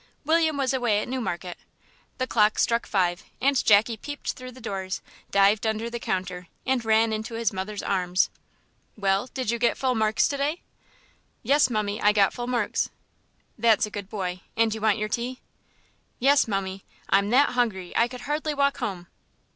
William was away at Newmarket. The clock struck five and Jackie peeped through the doors, dived under the counter, and ran into his mother's arms. "Well, did you get full marks to day?" "Yes, mummie, I got full marks." "That's a good boy and you want your tea?" "Yes, mummie; I'm that hungry I could hardly walk home."